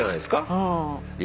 はい。